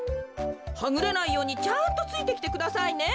はぐれないようにちゃんとついてきてくださいね。